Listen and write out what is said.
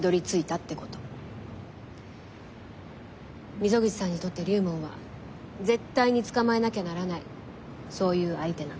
溝口さんにとって龍門は絶対に捕まえなきゃならないそういう相手なの。